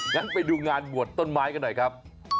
งั้นไปดูงานบวชต้นไม้กันหน่อยครับ